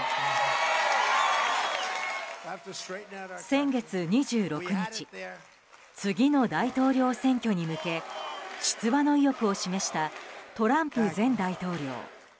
先月２６日次の大統領選挙に向け出馬の意欲を示したトランプ前大統領。